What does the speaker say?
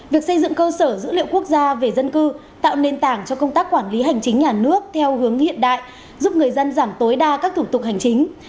việc xây dựng cơ sở dữ liệu quốc gia về dân cư tạo nền tảng cho công tác quản lý hành chính nhà nước theo hướng hiện đại giúp người dân giảm tối đa các thủ tục hành chính